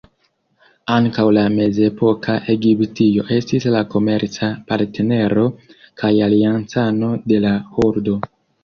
Ankaŭ la mezepoka Egiptio estis la komerca partnero kaj aliancano de la Hordo.